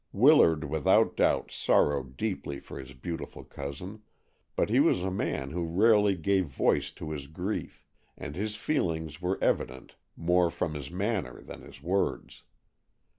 Willard without doubt sorrowed deeply for his beautiful cousin, but he was a man who rarely gave voice to his grief, and his feelings were evident more from his manner than his words.